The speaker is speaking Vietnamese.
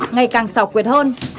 ngày càng sảo quyệt hơn